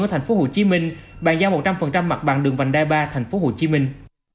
ở thành phố hồ chí minh bàn giao một trăm linh mặt bằng đường vịnh đại ba thành phố hồ chí minh